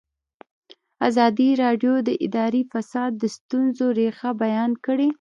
ازادي راډیو د اداري فساد د ستونزو رېښه بیان کړې.